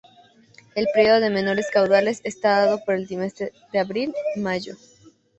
El período de menores caudales está dado por el trimestre de abril, mayo.